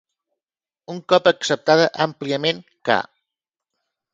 Un cop acceptada àmpliament ca.